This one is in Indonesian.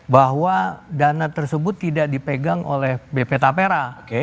bahwa dana tersebut tidak dipegang oleh bp tapera